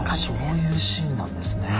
そういうシーンなんですね。